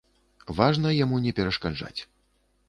Важна яму не перашкаджаць.